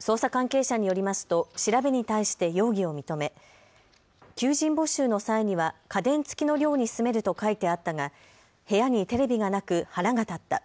捜査関係者によりますと調べに対して容疑を認め求人募集の際には家電付きの寮に住めると書いてあったが部屋にテレビがなく腹が立った。